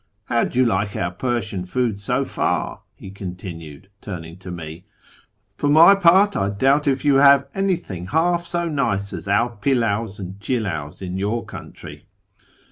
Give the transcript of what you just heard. How do you like our Persian food so far ?" he continued, turning to me ;" for my part, I doubt if you FROM TEHERAn to ISFAHAN 175 have anything half so nice as our pildivs and childws in your country.